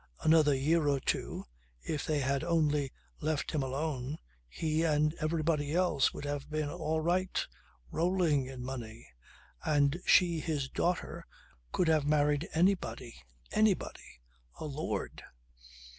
Another year or two, if they had only left him alone, he and everybody else would have been all right, rolling in money; and she, his daughter, could have married anybody anybody. A lord.